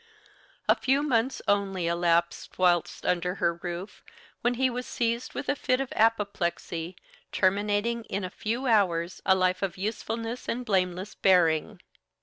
A few months only elapsed whilst under her roof when he was seized with a fit of apoplexy, terminating in a few hours a life of usefulness and blameless bearing.